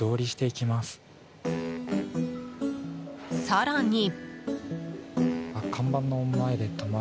更に。